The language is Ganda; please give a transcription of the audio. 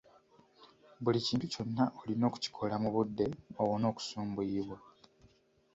Buli kintu kyonna olina okukikola mu budde owone okusumbuyibwa.